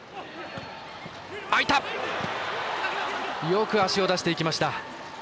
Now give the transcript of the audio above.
よく足を出していきました。